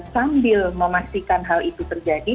sambil memastikan hal itu terjadi